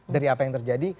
dari apa yang terjadi